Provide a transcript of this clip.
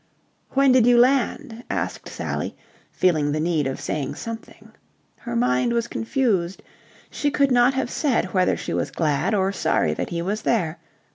"When did you land?" asked Sally, feeling the need of saying something. Her mind was confused. She could not have said whether she was glad or sorry that he was there.